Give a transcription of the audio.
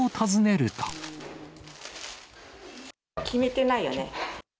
決めてないよね。